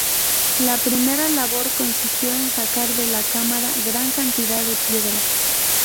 La primera labor consistió en sacar de la cámara gran cantidad de piedras.